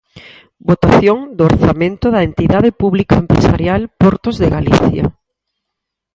Votación do orzamento da entidade pública empresarial Portos de Galicia.